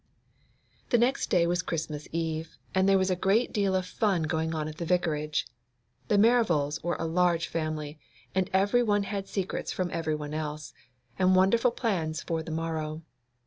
The next day was Christmas Eve, and there was a great deal of fun going on at the Vicarage. The Merivals were a large family, and every one had secrets from every one else, and wonderful plans for the morrow.